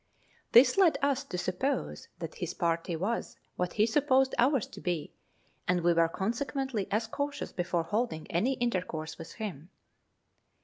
This led us to suppose that his party was what he supposed ours to be, and we were consequently as cautious before holding any intercourse with him.